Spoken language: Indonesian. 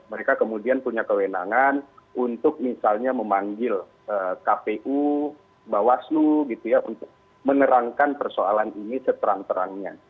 mereka kemudian punya kewenangan untuk misalnya memanggil kpu bawaslu gitu ya untuk menerangkan persoalan ini seterang terangnya